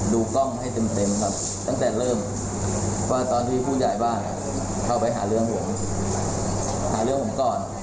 แล้วเขาไม่ได้ประกาศตัวว่าเขาเป็นผู้ใหญ่บ้านที่แรก